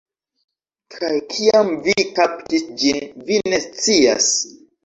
Kaj kiam vi kaptis ĝin, vi ne scias.